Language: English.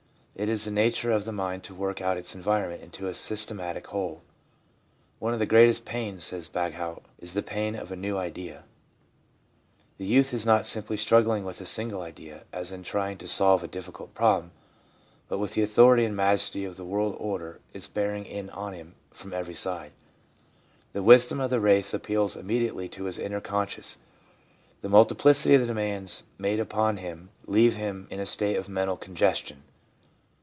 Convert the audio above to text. It is the nature of the mind to work out its environment into a systematic whole. ' One of the greatest pains/ says Bagehot, * is the pain of a new idea/ The youth is not simply struggling with a single idea as in trying to solve a difficult problem, but the authority and majesty of the world order is bearing in on him from every side. The wisdom of the race appeals immediately to his inner consciousness. The multiplicity of the demands made upon him leave him in a state of mental congestion.